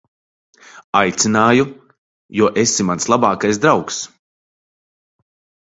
Aicināju, jo esi mans labākais draugs.